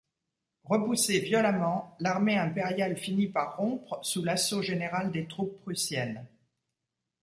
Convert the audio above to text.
Repoussée violemment, l’armée impériale finit par rompre sous l’assaut général des troupes prussiennes.